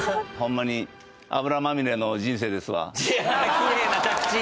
きれいな着地！